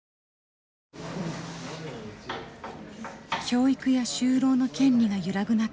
教育や就労の権利が揺らぐ中